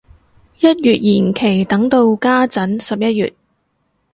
一月延期等到家陣十一月